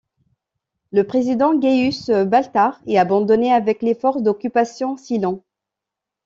Le président Gaius Baltar est abandonné avec les forces d'occupation Cylon.